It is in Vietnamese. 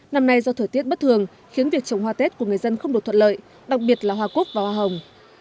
năm nay do thời tiết bất thường khiến việc trồng hoa tết của người dân không được thuận lợi đặc biệt là hoa cúc và hoa hồng